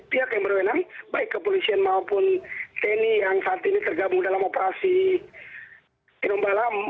pihak yang berwenang baik kepolisian maupun tni yang saat ini tergabung dalam operasi tinombala